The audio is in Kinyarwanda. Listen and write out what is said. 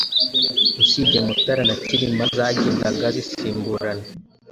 usibye Mutara na Cyilima zagendaga zisimburana.